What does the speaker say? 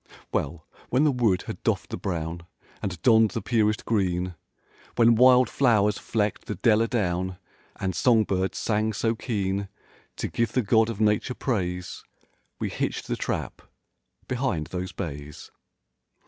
Well, when the wood had doffed the brown And donned the purest green; When wild flow'rs flecked the dell a down And song birds sang so keen To give the God of nature praise. We hitched the trap—behind those bays.